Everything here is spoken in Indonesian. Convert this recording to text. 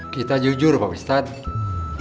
kita jujur pak ustadz